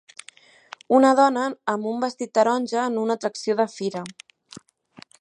Una dona amb un vestit taronja en una atracció de fira.